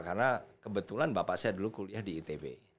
karena kebetulan bapak saya dulu kuliah di itb